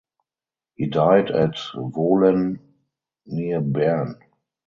He died at Wohlen near Bern.